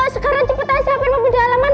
sekarang cepetan siapin mobil di halaman